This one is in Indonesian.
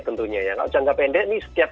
tentunya ya kalau jangka pendek ini setiap